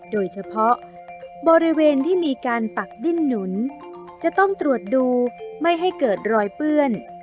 โดยเฉพาะบริเวณที่มีการปักดิ้นหนุนจะต้องตรวจดูไม่ให้เกิดรอยเปื้อน